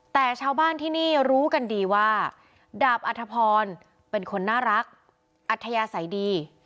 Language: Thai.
แต่ชาวบ้านที่นี่รู้กันดีว่าดาบอัธพรเป็นคนน่ารักอัธยาศัยดี